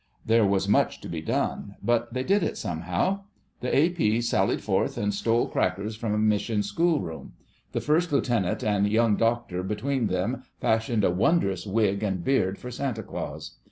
There was much to be done, but they did it somehow. The A.P. sallied forth and stole crackers from a Mission schoolroom. The First Lieutenant and Young Doctor between them fashioned a wondrous wig and beard for Santa Claus.